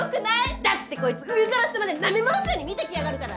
だってこいつ上から下までなめ回すように見てきやがるから。